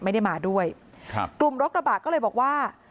ไม่ได้มาด้วยครับกลุ่มรถกระบะก็เลยบอกว่า